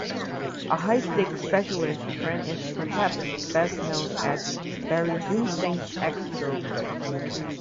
A high-stakes specialist, Tran is perhaps best known as Barry Greenstein's ex-girlfriend.